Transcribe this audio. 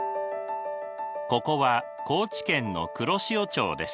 ここは高知県の黒潮町です。